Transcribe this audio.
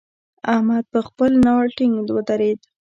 احمد پر خپل ناړ ټينګ ودرېد.